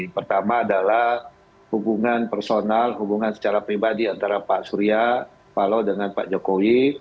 pertama adalah hubungan personal hubungan secara pribadi antara pak surya paloh dengan pak jokowi